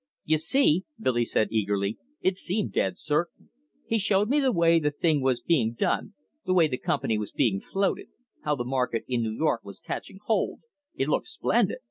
"You see," Billy said eagerly, "it seemed dead certain. He showed me the way the thing was being done, the way the company was being floated, how the market in New York was catching hold. It looked splendid.